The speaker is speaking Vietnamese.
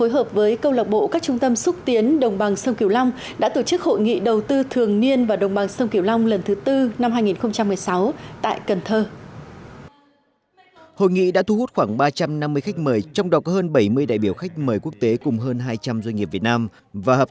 hãy đăng ký kênh để ủng hộ kênh của mình nhé